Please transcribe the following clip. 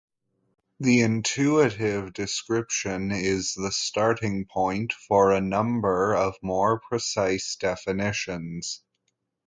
This intuitive description is the starting point for a number of more precise definitions.